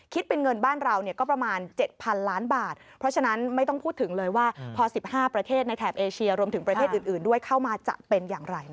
เป็นเงินบ้านเราเนี่ยก็ประมาณ๗๐๐ล้านบาทเพราะฉะนั้นไม่ต้องพูดถึงเลยว่าพอ๑๕ประเทศในแถบเอเชียรวมถึงประเทศอื่นด้วยเข้ามาจะเป็นอย่างไร